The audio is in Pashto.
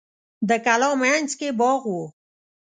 د کلا مینځ کې باغ و.